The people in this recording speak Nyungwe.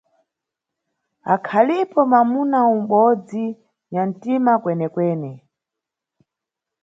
Akhalipo mamuna um'bodzi nyantima kwenekwene.